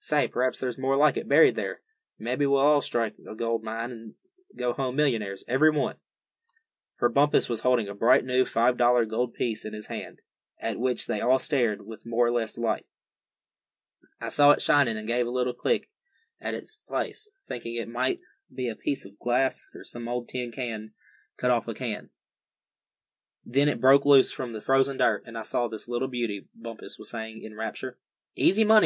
Say, p'raps there's more like it buried there. Mebbe we'll strike a gold mine, and go home millionaires, every one." For Bumpus was holding a bright new five dollar gold piece in his hand, at which they all stared with more or less delight. "I saw it shinin' and gave a little kick at the place, thinkin' it might be a piece of glass, or some old tin cut off a can. Then it broke loose from the frozen dirt, and I saw this little beauty," Bumpus was saying, in rapture. "Easy money!"